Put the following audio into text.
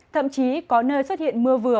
thậm chí có nơi xuất hiện nhiều nơi trong ngày